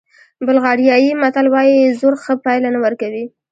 بلغاریایي متل وایي زور ښه پایله نه ورکوي.